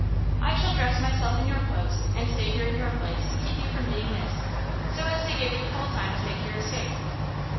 "I shall dress myself in your clothes and stay here in your place to keep you from being missed, so as to give you full time to make your escape."